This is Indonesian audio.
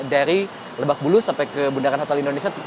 dari lebak bulus sampai ke bundaran hotel indonesia